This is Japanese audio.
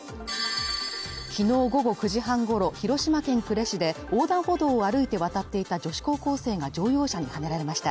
きのう午後９時半ごろ、広島県呉市で横断歩道を歩いて渡っていた女子高校生が乗用車にはねられました。